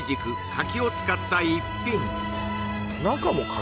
柿を使った逸品中も柿？